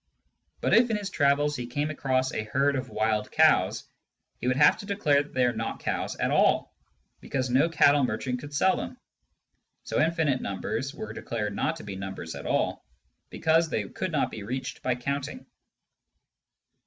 But if in his travels he came across a herd of wild cows, he would have to declare that they were not cows at all, because no cattle merchant could sell them. So infinite numbers were declared not to be numbers at all, because they could not be reached by counting.